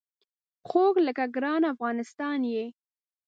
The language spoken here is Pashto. خوږ لکه ګران افغانستان یې